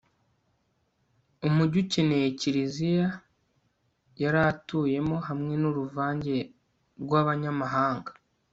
umugi ukomeye liziya yari atuyemo hamwe n'uruvange rw'abanyamahanga